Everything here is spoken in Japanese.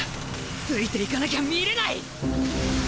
ついて行かなきゃ見れない。